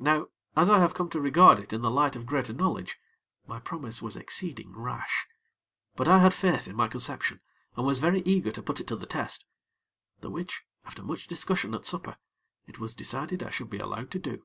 Now, as I have come to regard it in the light of greater knowledge, my promise was exceeding rash; but I had faith in my conception, and was very eager to put it to the test; the which, after much discussion at supper, it was decided I should be allowed to do.